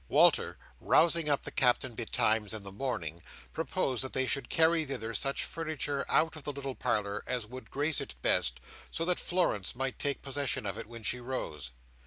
Walter, rousing up the Captain betimes in the morning, proposed that they should carry thither such furniture out of the little parlour as would grace it best, so that Florence might take possession of it when she rose.